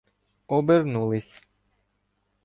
Обернулись.